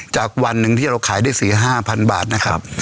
จากวันนึงที่เราขายได้สี่ห้าพันบาทนะครับ